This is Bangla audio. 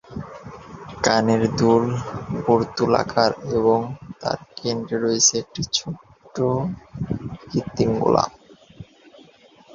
কানের দুল বর্তুলাকার এবং তার কেন্দ্রে রয়েছে একটি ছোট্ট কৃত্রিম গোলাপ।